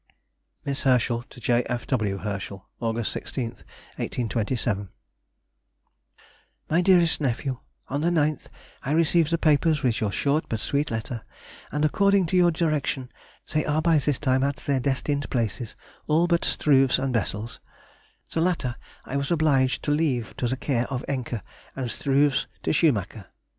MISS HERSCHEL TO J. F. W. HERSCHEL. Aug. 16, 1827. MY DEAREST NEPHEW,— On the 9th I received the papers with your short but sweet letter, and according to your direction they are by this time at their destined places, all but Struve's and Bessel's; the latter, I was obliged to leave to the care of Encke, and Struve's to Schumacher.